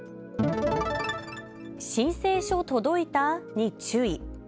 申請書届いたに注意。